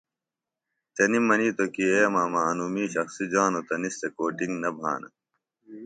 تنِم منِیتوۡ کیۡ اے ماما انوۡ مِیش اخسی جانوۡ تہ نِس تھےۡ کو ٹِنگ نہ بھانہ